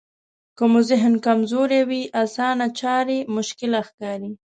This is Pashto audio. که مو ذهن کمزوری وي اسانه چارې مشکله ښکاري.